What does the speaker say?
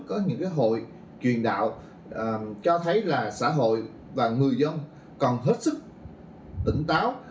có những hội truyền đạo cho thấy là xã hội và người dân còn hết sức tỉnh táo